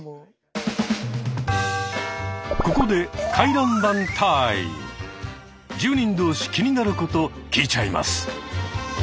ここで住人同士気になること聞いちゃいます。